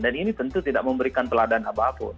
dan ini tentu tidak memberikan peladan apapun